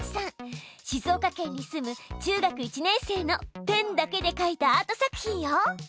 しずおかけんに住む中学１年生のペンだけで描いたアート作品よ。